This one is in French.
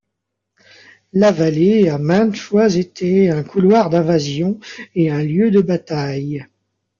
La vallée a maintes fois été un couloir d'invasion et un lieu de batailles.